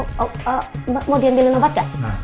mau diambilin lobat gak